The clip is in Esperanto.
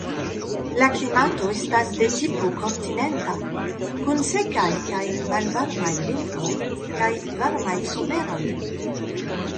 La klimato estas de tipo kontinenta, kun sekaj kaj malvarmaj vintroj kaj varmaj someroj.